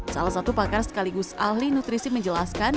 salah satu pakar sekaligus ahli nutrisi menjelaskan